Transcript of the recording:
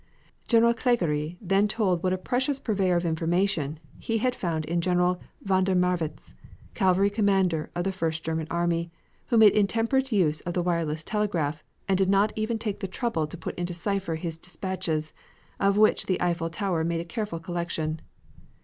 General Clergerie then told what a precious purveyor of information he had found in General von der Marwitz, cavalry commander of the German first army, who made intemperate use of the wireless telegraph and did not even take the trouble to put into cipher his dispatches, of which the Eiffel Tower made a careful collection.